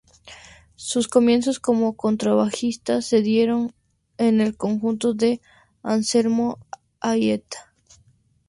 Sus comienzos como contrabajista se dieron en el conjunto de Anselmo Aieta.